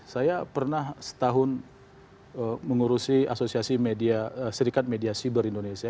saya pernah setahun mengurusi asosiasi media serikat media cyber indonesia